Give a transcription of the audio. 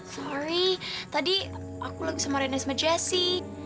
sorry tadi aku lagi sama rene sama jesse